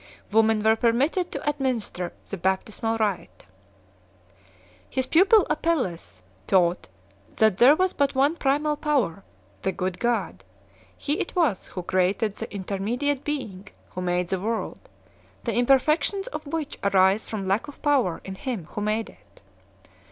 Women were permitted to ad minister the baptismal rite 4 . His pupil Apelles 5 taught that there was but one primal Power, the Good God; he it was who created the inter mediate Being who made the world, the imperfections of which arise from lack of power in him who made it.